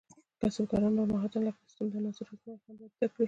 کسبګران نور مهارتونه لکه د سیسټم د عناصرو ازمېښت هم باید زده کړي.